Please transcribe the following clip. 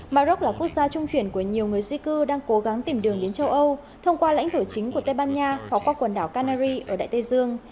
maroc là quốc gia trung chuyển của nhiều người di cư đang cố gắng tìm đường đến châu âu thông qua lãnh thổ chính của tây ban nha hoặc qua quần đảo canary ở đại tây dương